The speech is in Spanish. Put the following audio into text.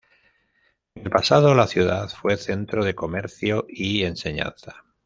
En el pasado la ciudad fue centro de comercio y enseñanza.